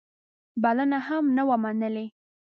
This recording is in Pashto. بلنه هم نه وه منلې.